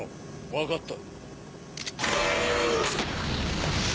分かった。